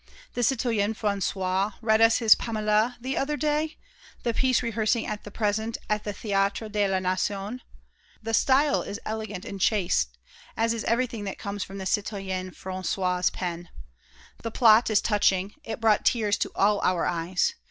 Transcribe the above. The citoyen François read us his 'Paméla' the other day, the piece rehearsing at the present moment at the Théâtre de la Nation. The style is elegant and chaste, as everything is that comes from the citoyen François' pen. The plot is touching; it brought tears to all our eyes.